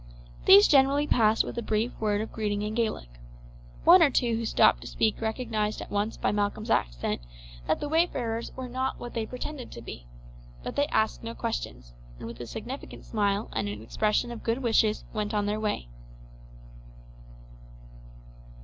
These generally passed with a brief word of greeting in Gaelic. One or two who stopped to speak recognized at once by Malcolm's accent that the wayfarers were not what they pretended to be; but they asked no questions, and with a significant smile and an expression of good wishes went on their way.